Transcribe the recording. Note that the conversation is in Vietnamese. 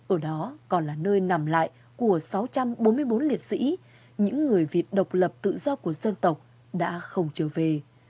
ở đó còn là nơi nằm lại của sáu trăm bốn mươi bốn liệt sĩ những người vịt độc lập tự do của dân tộc đã không trở về